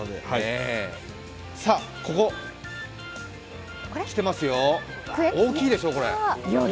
ここ、来てますよ、大きいでしょう、これ。